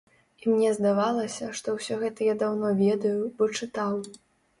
І мне здавалася, што ўсё гэта я даўно ведаю, бо чытаў.